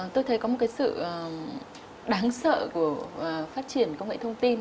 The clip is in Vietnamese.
tôi thấy có một cái sự đáng sợ của phát triển công nghệ thông tin